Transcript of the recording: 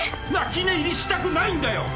泣き寝入りしたくないんだよ！